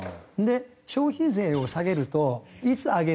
消費税を下げるといつ上げるの？